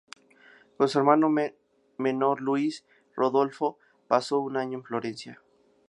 Con su hermano menor Luis, Rodolfo pasó un año en Florencia.